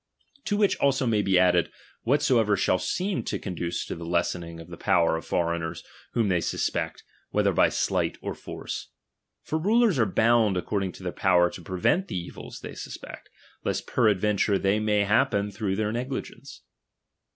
To which also may be added, whatsoever shall seem to con duce to the lessening of the power of foreigners whom they suspect, whether by slight or force. For rulers are bound according to their power to prevent the evils they suspect ; lest peradventure they may happen through their negligence.